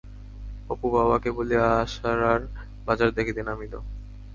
অপু বাবাকে বলিয়া আষাঢ়ার বাজার দেখিতে নামিল।